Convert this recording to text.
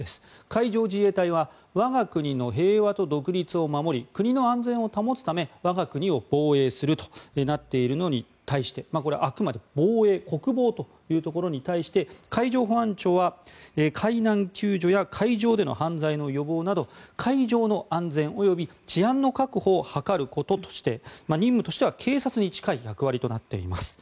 海上自衛隊は我が国の平和と独立を守り国の安全を保つため我が国を防衛するとなっているのに対してこれはあくまで防衛国防というところに対して海上保安庁は、海難救助や海上での犯罪の予防など海上の安全及び治安の確保を図ることとして任務としては警察に近い役割となっています。